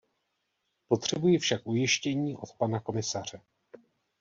Potřebuji však ujištění, od pana komisaře.